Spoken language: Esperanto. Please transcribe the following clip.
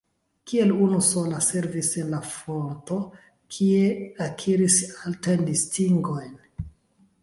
Kiel unusola servis en la fronto, kie akiris altajn distingojn.